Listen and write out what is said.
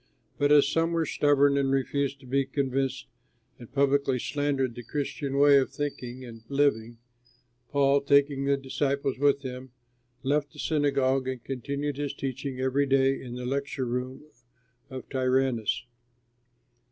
But as some were stubborn and refused to be convinced and publicly slandered the Christian way of thinking and living, Paul, taking the disciples with him, left the synagogue and continued his teaching every day in the lecture room of Tyrannus.